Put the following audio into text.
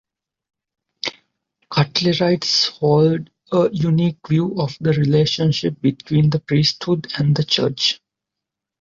Cutlerites hold a unique view of the relationship between the priesthood and the church.